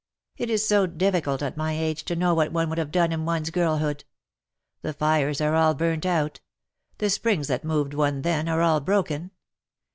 " It is so difficult at my age to know what one would have done in one's girlhood. The fires are all burnt out; the springs that moved one then are all broken.